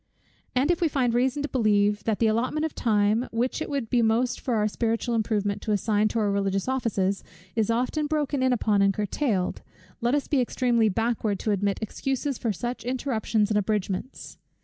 And if we find reason to believe, that the allotment of time, which it would be most for our spiritual improvement to assign to our religious offices, is often broken in upon and curtailed; let us be extremely backward to admit excuses for such interruptions and abridgments.